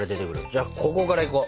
じゃここからいこう。